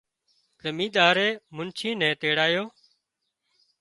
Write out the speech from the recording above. زمينۮارئي منچي نين تيڙايو